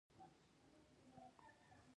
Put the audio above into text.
د باچا لور له نورو نجونو سره رهي شول.